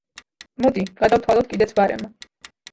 მოდი, გადავთვალოთ კიდეც ბარემ.